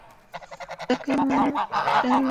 তা কেন চাইবো আমি?